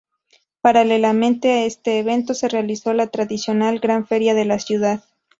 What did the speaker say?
Paralelamente a este evento, se realizó la tradicional "Gran feria de la ciudad".